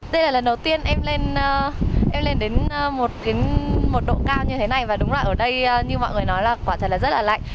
đây là lần đầu tiên em lên đến một độ cao như thế này và đúng là ở đây như mọi người nói là quả trời rất là lạnh